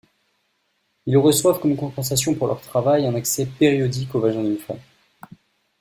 Il reçoivent comme compensation pour leur travail un accès périodique au vagin d'une femme.